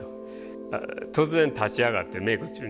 突然立ち上がってメイク中に。